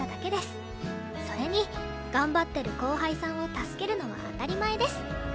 それに頑張ってる後輩さんを助けるのは当たり前です。